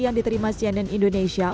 yang diterima cnn indonesia